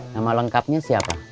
nama lengkapnya siapa